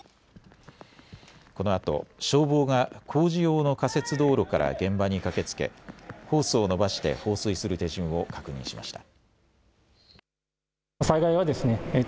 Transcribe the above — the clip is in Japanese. このあと消防が工事用の仮設道路から現場に駆けつけ、ホースを延ばして放水する手順を確認しました。